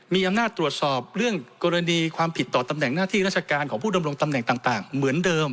มีอำนาจตรวจสอบเรื่องกรณีความผิดต่อตำแหน่งหน้าที่ราชการของผู้ดำรงตำแหน่งต่างเหมือนเดิม